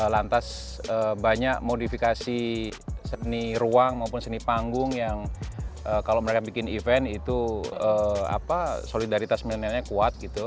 lantas banyak modifikasi seni ruang maupun seni panggung yang kalau mereka bikin event itu solidaritas milenialnya kuat gitu